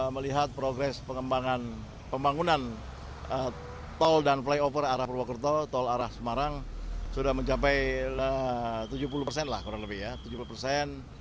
melihat progres pembangunan tol dan flyover arah purwokerto tol arah semarang sudah mencapai tujuh puluh persen lah kurang lebih ya tujuh puluh persen